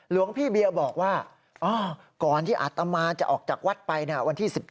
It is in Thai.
หลวงพี่เบียบอกว่าก่อนที่อาตมาจะออกจากวัดไปวันที่๑๗